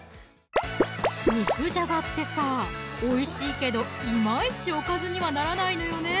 肉じゃがってさおいしいけどいまいちおかずにはならないのよね